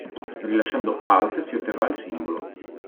Rilasciando Alt si otterrà il simbolo.